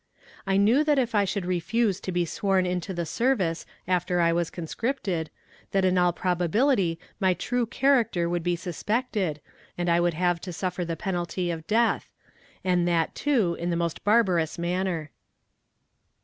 I knew that if I should refuse to be sworn into the service after I was conscripted, that in all probability my true character would be suspected, and I would have to suffer the penalty of death and that, too, in the most barbarous manner.